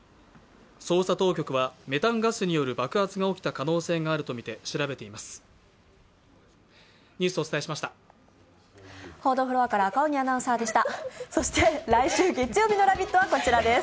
捜査当局は、メタンガスによる爆発が起きた可能性があるとみて調べています。